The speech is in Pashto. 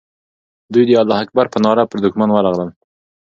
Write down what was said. دوی د الله اکبر په ناره پر دښمن ورغلل.